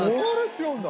違うんだ。